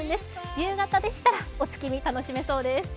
夕方でしたらお月見楽しめそうです。